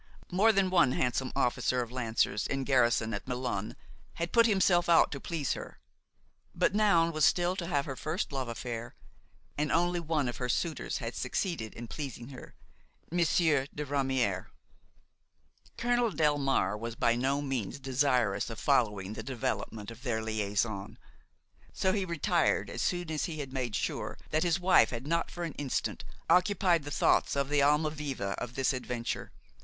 More than one handsome officer of lancers, in garrison at Melun, had put himself out to please her; but Noun was still to have her first love affair, and only one of her suitors had succeed in pleasing her: Monsieur de Ramière. Colonel Delmare was by no means desirous of following the development of their liaison; so he retired as soon as he had made sure that his wife had not for an instant occupied the thoughts of the Almaviva of this adventure.